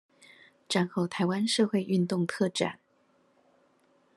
戰後臺灣社會運動特展